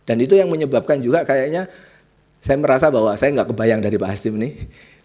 dan itu yang menyebabkan juga kayaknya saya merasa bahwa saya gak kebayang dari pak hasim ini ya udah lah dimatiin datanya